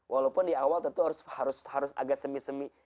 walaupun di awal tentu harus agak semi semi